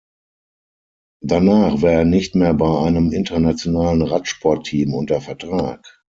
Danach war er nicht mehr bei einem internationalen Radsportteam unter Vertrag.